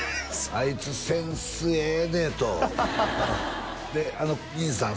「あいつセンスええで」とで兄さん